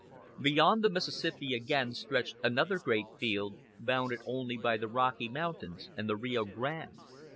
Beyond the Mississippi again stretched another great field, bounded only by the Rocky Mountains and the Rio Grande.